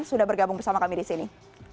sudah bergabung bersama kami di sini